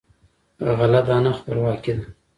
غله دانه خپلواکي ده.